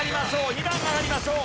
２段上がりましょう。